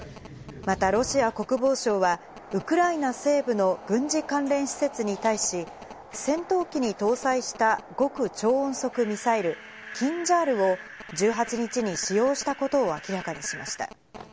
また、ロシア国防省は、ウクライナ西部の軍事関連施設に対し、戦闘機に搭載した極超音速ミサイル、キンジャールを１８日に使用したことを明らかにしました。